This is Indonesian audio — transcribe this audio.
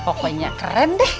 pokoknya keren deh